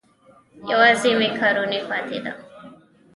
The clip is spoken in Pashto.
یوازې مېکاروني پاتې ده.